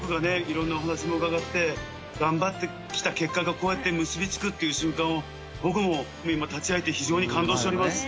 色んなお話も伺って頑張ってきた結果がこうやって結びつくっていう瞬間を僕も今立ち会えて非常に感動しております」